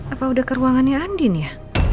apa udah ke ruangannya andi nih ya